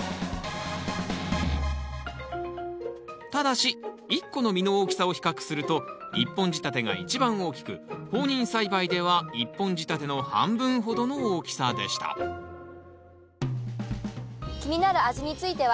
ただし１個の実の大きさを比較すると１本仕立てが一番大きく放任栽培では１本仕立ての半分ほどの大きさでした気になる味については？